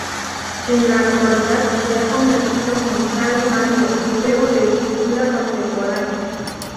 En la actualidad se ha convertido en Can Mario, Museo de Escultura Contemporánea.